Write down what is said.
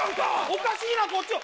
おかしいのはこっちよ！